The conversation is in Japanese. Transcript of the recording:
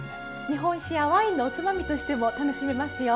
日本酒やワインのおつまみとしても楽しめますよ。